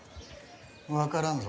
「分からんぞ」。